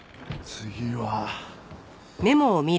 次は。